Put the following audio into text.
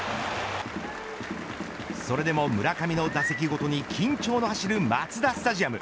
それでも村上の打席ごとに緊張の走るマツダスタジアム。